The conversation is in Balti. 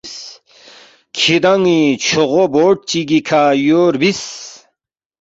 کِھدان٘ی چھوغو بورڈ چِگی کھہ یو ربِس